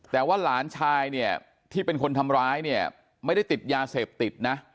แต่ว่าหลานชายเนี่ยที่เป็นคนทำร้ายเนี่ยไม่ได้ติดยาเสพติดนะ